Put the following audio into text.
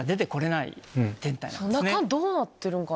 中どうなってるんか？